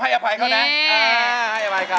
อ๋อใช่ครับให้อภัยเขานะให้อภัยเขา